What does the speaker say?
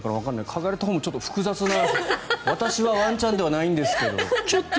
嗅がれたほうもちょっと複雑な私はワンちゃんではないんですけどって。